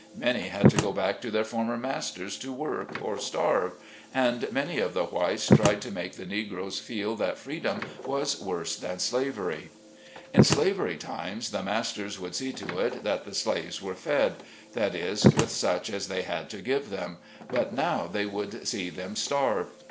Many had to go back to their former masters to work or starve, and many of the whites tried to make the Negroes feel that freedom was worse than slavery. In slavery times the masters would see to it, that the slaves were fed — that is, with such as they had to give them, but now, they would see them starve.